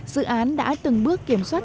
dự án đã từng bước kiểm soát